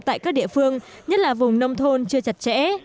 tại các địa phương nhất là vùng nông thôn chưa chặt chẽ